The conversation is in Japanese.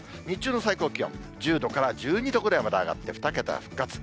日中の最高気温、１０度から１２度ぐらいまで上がって２桁復活。